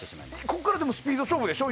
ここからスピード勝負でしょ？